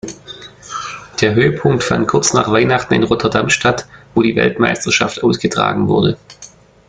Der Höhepunkt fand kurz nach Weihnachten in Rotterdam statt, wo die Weltmeisterschaft ausgetragen wurde.